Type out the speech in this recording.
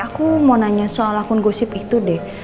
aku mau nanya soal akun gosip itu deh